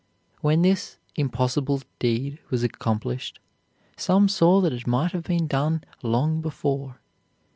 When this "impossible" deed was accomplished, some saw that it might have been done long before.